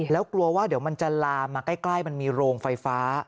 แล้วกลัวว่าเดี๋ยวมันจะลามมาใกล้มันมีโรงไฟฟ้า